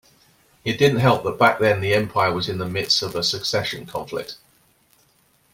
It didn't help that back then the empire was in the midst of a succession conflict.